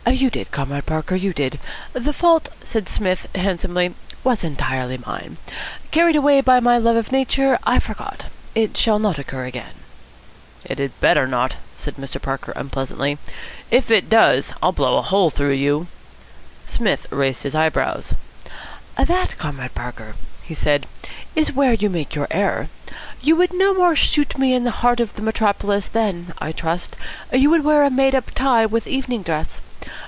"You did, Comrade Parker, you did. The fault," said Psmith handsomely, "was entirely mine. Carried away by my love of nature, I forgot. It shall not occur again." "It had better not," said Mr. Parker unpleasantly. "If it does, I'll blow a hole through you." Psmith raised his eyebrows. "That, Comrade Parker," he said, "is where you make your error. You would no more shoot me in the heart of the metropolis than, I trust, you would wear a made up tie with evening dress.